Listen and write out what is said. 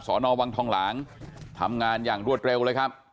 นอวังทองหลางทำงานอย่างรวดเร็วเลยครับ